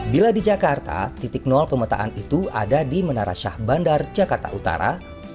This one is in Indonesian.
bila di jakarta titik nol pemetaan itu ada di menara syah bandar jakarta utara